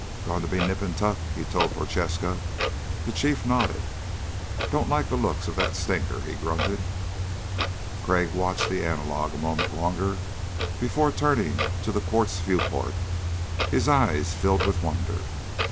"Going to be nip and tuck," he told Prochaska. The Chief nodded. "Don't like the looks of that stinker," he grunted. Crag watched the analog a moment longer before turning to the quartz viewport. His eyes filled with wonder.